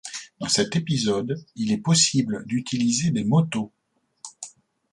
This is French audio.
Dans cet épisode, il est possible d'utiliser des motos.